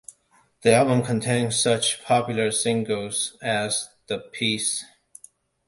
The album contained such popular singles as The Peace!